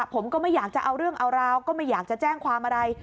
ผมก็ไม่อยากจะเอาเรื่องเอาราวก็ไม่อยากจะแจ้งความอะไร